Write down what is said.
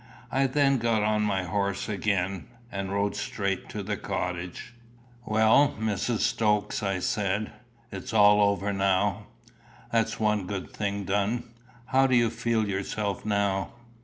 I then got on my horse again, and rode straight to the cottage. "Well, Mrs. Stokes," I said, "it's all over now. That's one good thing done. How do you feel yourself now?"